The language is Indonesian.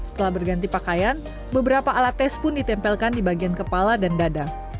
setelah berganti pakaian beberapa alat tes pun ditempelkan di bagian kepala dan dada